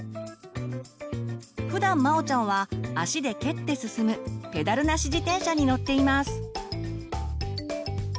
ふだんまおちゃんは足で蹴って進む「ペダルなし自転車」に乗っています。